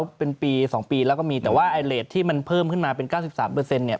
แล้วเป็นปีสองปีแล้วก็มีแต่ว่าไอเลสที่มันเพิ่มขึ้นมาเป็นเก้าสิบสามเปอร์เซ็นต์เนี่ย